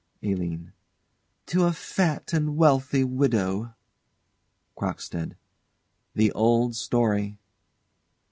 ALINE. To a fat and wealthy widow CROCKSTEAD. The old story.